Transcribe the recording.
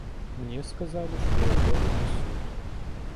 Мне сказалі, што я еду на суд.